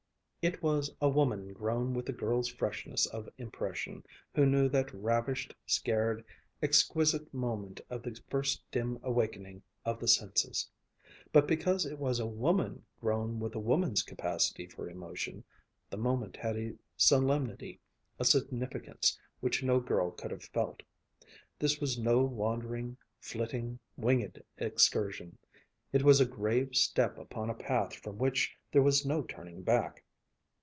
It was a woman grown with a girl's freshness of impression, who knew that ravished, scared, exquisite moment of the first dim awakening of the senses. But because it was a woman grown with a woman's capacity for emotion, the moment had a solemnity, a significance, which no girl could have felt. This was no wandering, flitting, wingèd excursion. It was a grave step upon a path from which there was no turning back.